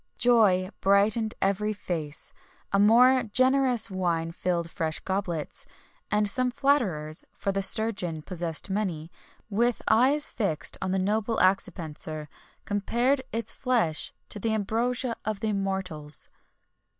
[XXI 31] Joy brightened every face; a more generous wine filled fresh goblets, and some flatterers for the sturgeon possessed many with eyes fixed on the noble accipenser, compared its flesh to the ambrosia of the immortals.